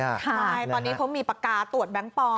ใช่ตอนนี้เขามีปากกาตรวจแบงค์ปอ